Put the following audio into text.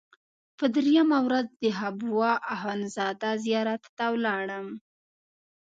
په درېیمه ورځ د حبوا اخندزاده زیارت ته لاړم.